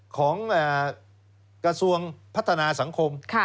ของกระทรวงพัฒนาสังคม